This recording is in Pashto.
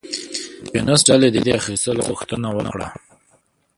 د یونس ډلې د دیه اخیستو غوښتنه وکړه.